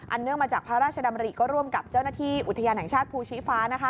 เนื่องมาจากพระราชดำริก็ร่วมกับเจ้าหน้าที่อุทยานแห่งชาติภูชีฟ้า